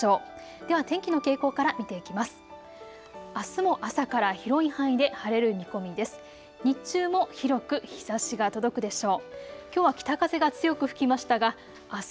では天気の傾向から見ていきます。